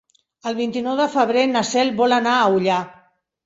El vint-i-nou de febrer na Cel vol anar a Ullà.